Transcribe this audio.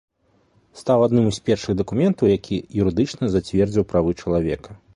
Стаў адным з першых дакументаў, які юрыдычна зацвердзіў правы чалавека.